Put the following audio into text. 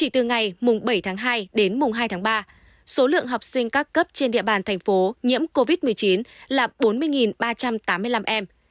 từ ngày mùng bảy tháng hai đến mùng hai tháng ba số lượng học sinh các cấp trên địa bàn thành phố nhiễm covid một mươi chín là bốn mươi ba trăm tám mươi năm em